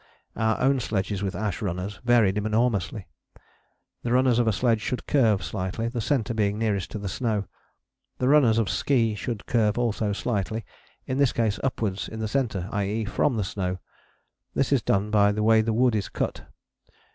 Our own sledges with ash runners varied enormously. The runners of a sledge should curve slightly, the centre being nearest to the snow. The runners of ski should curve also slightly, in this case upwards in the centre, i.e. from the snow. This is done by the way the wood is cut.